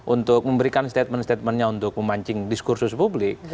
untuk memberikan statement statementnya untuk memancing diskursus publik